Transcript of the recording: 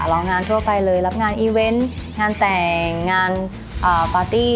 ร้องงานทั่วไปเลยรับงานอีเวนต์งานแต่งงานปาร์ตี้